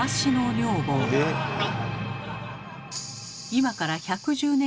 今から１１０年